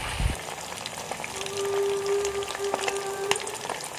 The mantle and scapulars are black with buff tips to the feathers.